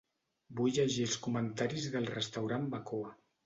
Vull llegir els comentaris del restaurant Bacoa.